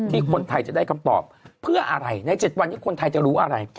คนไทยจะได้คำตอบเพื่ออะไรใน๗วันนี้คนไทยจะรู้อะไร